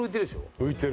浮いてる。